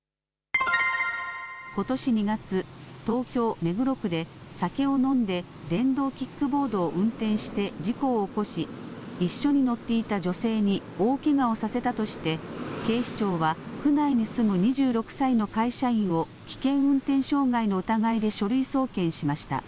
ことし２月、東京目黒区で酒を飲んで電動キックボードを運転して事故を起こし一緒に乗っていた女性に大けがをさせたとして警視庁は区内に住む２６歳の会社員を危険運転傷害の疑いで書類送検しました。